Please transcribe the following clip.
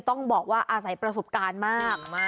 ต้องบอกว่าอาศัยประสบการณ์มาก